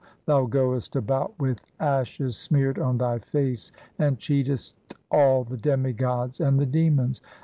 Thou goest about with ashes smeared on thy face and cheatest all the demigods and the demons.